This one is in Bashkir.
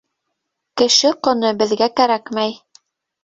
— Кеше ҡоно беҙгә кәрәкмәй.